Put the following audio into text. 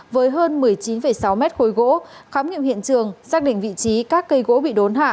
với hơn một mươi chín sáu mét khối gỗ khám nghiệm hiện trường xác định vị trí các cây gỗ bị đốn hạ